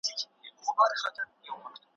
دا مي سمنډوله ده برخه مي لا نوره ده `